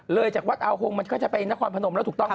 เลยจากวัดอาหงก์ก็จะเป็นนครพนมแล้วถูกต้องไหม